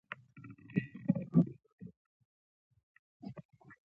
د وروستي قشر الکترونونه د ولانسي الکترونونو په نوم یادوي.